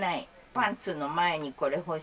パンツの前にこれ干して。